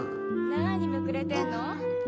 なにむくれてんの？